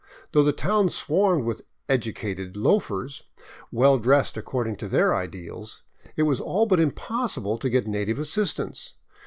Though the town swarmed with " educated " loafers, well dressed according to their ideals, it was all but impossible to get native assistants.